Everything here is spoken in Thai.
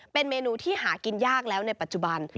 เป็นเมนูที่หากินยากแล้วในปัจจุบัน